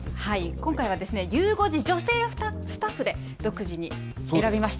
今回はゆう５時女性スタッフで独自に選びました。